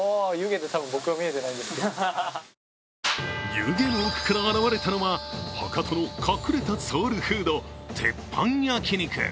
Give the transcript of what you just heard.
湯気の奥から現れたのは博多の隠れたソウルフード鉄板焼肉。